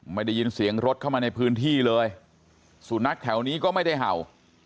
ไม่ได้ยินเสียงรถเข้ามาในพื้นที่เลยสุนัขแถวนี้ก็ไม่ได้เห่า